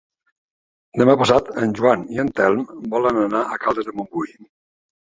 Demà passat en Joan i en Telm volen anar a Caldes de Montbui.